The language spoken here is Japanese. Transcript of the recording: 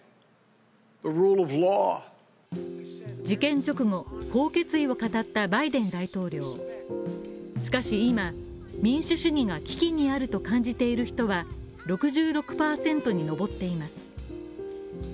事件直後、こう決意を語ったバイデン大統領しかし今、民主主義が危機にあると感じている人は６６％に上っています。